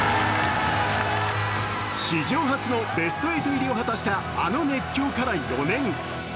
史上初のベスト８入りを果たしたあの熱狂から４年。